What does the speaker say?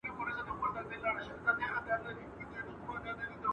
علم د تنظیم سویو حقایقو سره اړیکي نه لري.